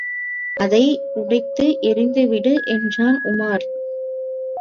அதை உடைத்து எறிந்துவிடு என்றான் உமார்.